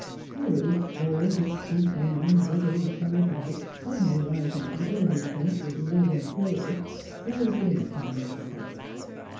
Harry, all his Teuton and Revolutionary blood suddenly rising to the boiling point with love and fury, closed in upon Mr. Hobbs.